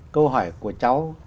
câu hỏi của cháu